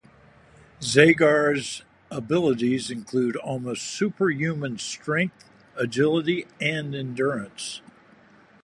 Zagor's abilities include almost superhuman strength, agility and endurance.